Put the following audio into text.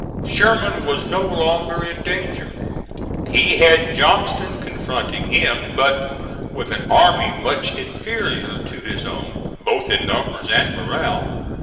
Sherman was no longer in danger. He had Johnston confronting him; but with an army much inferior to his own, both in numbers and morale.